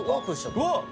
うわっ！